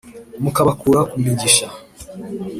Mukabakura ku migisha.